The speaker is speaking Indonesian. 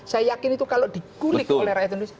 saya yakin itu kalau digulik oleh rakyat indonesia